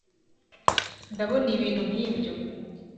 ndabona ibintu nkibyo.